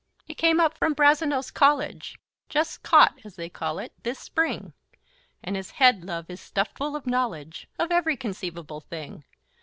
He came up from Brazenose College, Just caught, as they call it, this spring; And his head, love, is stuffed full of knowledge Of every conceivable thing.